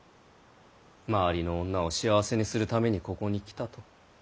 周りの女を幸せにするためにここに来たと。